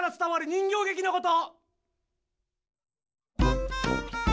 人形げきのこと。